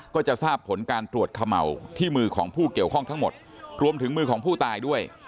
ก็จะทราบผลการตรวจเขม่าที่มือของผู้เกี่ยวข้องทั้งหมดรวมถึงมือของผู้ตายด้วย